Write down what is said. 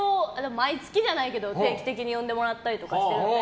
毎月じゃないけど定期的に呼んでもらったりとかしているので。